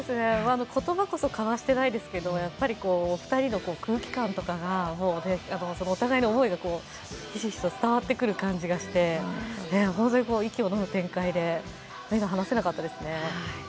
言葉こそ交わしていないですけども、お二人の空気感とかがもうね、お互いの思いがひしひしと伝わってくる感じがして本当に息をのむ展開で目が離せなかったですね。